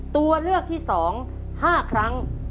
ตัวเลือกที่๒๕ครั้ง